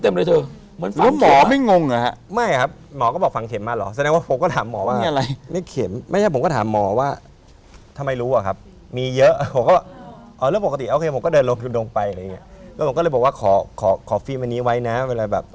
เอ็กซาเรย์ไม่ผมไปเอ็กซาเรย์ปอดครับ